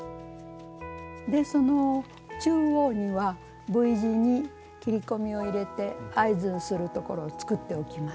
でその中央にはＶ字に切り込みを入れて合図にするところを作っておきます。